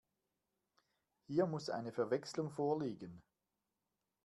Hier muss eine Verwechslung vorliegen.